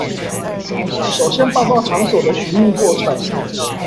首先報告場所的尋覓過程